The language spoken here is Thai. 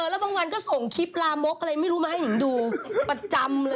แล้วบางวันก็ส่งคลิปลามกอะไรไม่รู้มาให้หิงดูประจำเลย